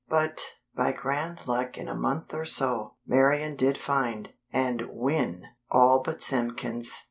But, by grand luck in a month or so, Marian did find, and win, all but Simpkins.